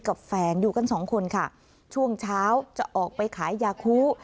กับแฟนอยู่กันสองคนค่ะช่วงเช้าจะออกไปขายยาคู